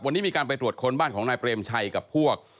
วันนี้มีการไปตรวจค้นบ้านของนายเปรมชัยกับพวก